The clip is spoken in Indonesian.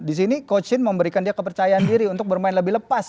di sini coach in memberikan dia kepercayaan diri untuk bermain lebih lepas